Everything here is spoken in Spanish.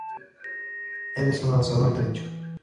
Él es un lanzador derecho.